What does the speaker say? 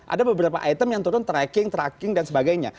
ada beberapa item yang turun tracking tracking dan sebagainya